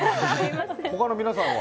他の皆さんは？